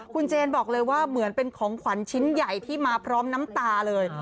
คุณเจนบอกเลยว่าเหมือนเป็นของขวัญชิ้นใหญ่ที่มาพร้อมน้ำตาเลย